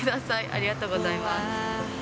ありがとうございます。